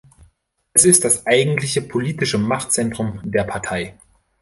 Es ist das eigentliche politische Machtzentrum der Partei.